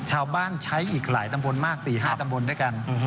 ชาวบ้านใช้อีกหลายตำบลมากตี๕ตำบลด้วยกัน